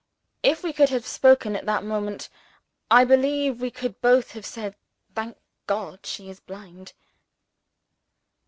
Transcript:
If we could have spoken at that moment, I believe we should both have said, "Thank God, she is blind!"